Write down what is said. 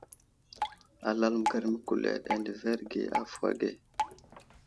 Alal məgar məkuleɗ adəverge avuhw age.